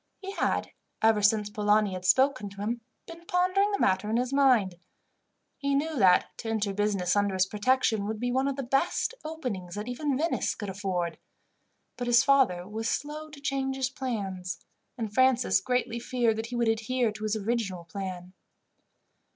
He had, ever since Polani had spoken to him, been pondering the matter in his mind. He knew that to enter business under his protection would be one of the best openings that even Venice could afford; but his father was slow to change his plans, and Francis greatly feared that he would adhere to his original plan.